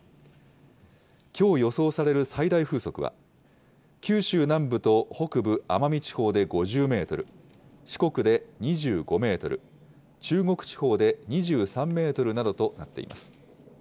きょう予想される最大風速は、九州南部と北部、奄美地方で５０メートル、四国で２５メートル、中国地方で２３メートルなどとなっています。